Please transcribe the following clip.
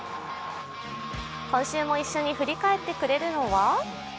今週も一緒に振り返ってくれるのは？